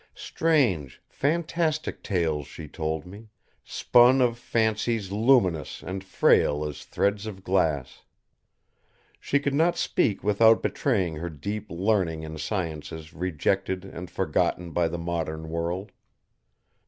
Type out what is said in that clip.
Strange, fantastic tales she told me, spun of fancies luminous and frail as threads of glass. She could not speak without betraying her deep learning in sciences rejected and forgotten by the modern world.